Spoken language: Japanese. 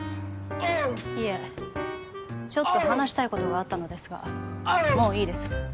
いえちょっと話したいことがあったのですがもういいです